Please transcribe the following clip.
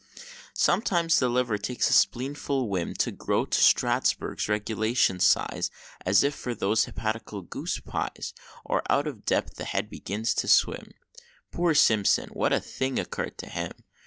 Sometimes the liver takes a spleenful whim To grow to Strasburg's regulation size, As if for those hepatical goose pies Or out of depth the head begins to swim Poor Simpson! what a thing occurred to him!